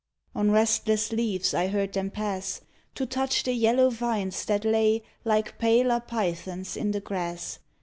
On restless leaves I heard them pass To touch the yellow vines that lay Like paler pythons in the grass.